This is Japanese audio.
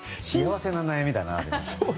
幸せな悩みだな。